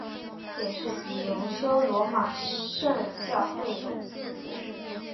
也是及荣休罗马圣教会总司库。